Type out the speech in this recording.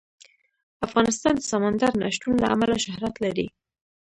افغانستان د سمندر نه شتون له امله شهرت لري.